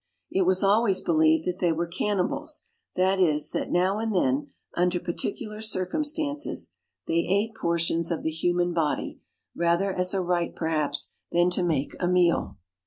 It was always believed that they were cannibals that is, that now and then, under particular circumstances, they ate portions 181: Letters from Victorian Pioneers. of the human body, rather as a rite, perhaps, than to make a meal.